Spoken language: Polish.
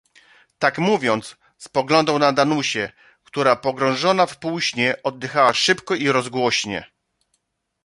"Tak mówiąc, spoglądał na Danusię, która pogrążona w półśnie, oddychała szybko i rozgłośnie."